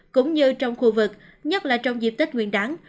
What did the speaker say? cũng như trong khu vực nhất là trong dịp tết nguyên đáng